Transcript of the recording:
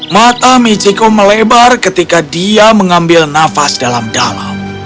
mata michiko melebar ketika dia mengambil nafas dalam dalam